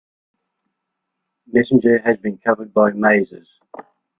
"Messenger" has been covered by Mazes.